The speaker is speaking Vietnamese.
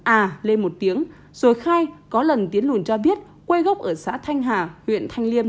a lên một tiếng rồi khai có lần tiến lùn cho biết quê gốc ở xã thanh hà huyện thanh liêm